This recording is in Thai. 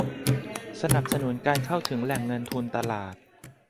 สนับสนุนการเข้าถึงแหล่งเงินทุนตลาด